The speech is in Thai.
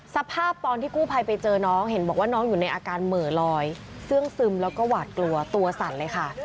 สภาพตอนที่กู้ภัยไปเจอน้องเห็นบอกว่าน้องอยู่ในอาการเหม่อลอยเสื้องซึมแล้วก็หวาดกลัวตัวสั่นเลยค่ะ